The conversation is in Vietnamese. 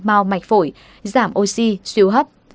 bao mạch phổi giảm oxy siêu hấp